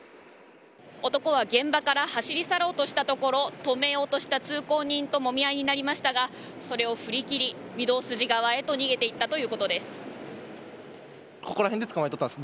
男は現場から走り去ろうとしたところ、止めようとした通行人ともみ合いになりましたが、それを振り切り、御堂筋側へと逃げていったということです。